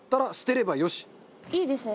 いいですね。